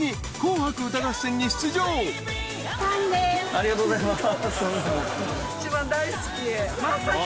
・ありがとうございます。